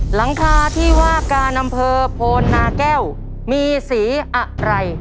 หลังคาที่ว่าการอำเภอโพนนาแก้วมีสีอะไร